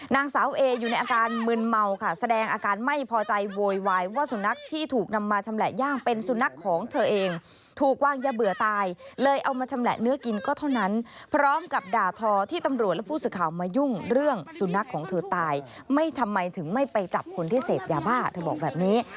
นางสาวเออยู่ในอาการมึนเมาค่ะแสดงอาการไม่พอใจโวยวายว่าสุนัขที่ถูกนำมาชำแหละย่างเป็นสุนัขของเธอเองถูกวางยาเบื่อตายเลยเอามาชำแหละเนื้อกินก็เท่านั้นพร้อมกับด่าทอที่ตำรวจและผู้สื่อข่าวมายุ่งเรื่องสุนัขของเธอตายไม่ทำไมถึงไม่ไปจับคนที่เสพยาบ้าเธอบอกแบบนี้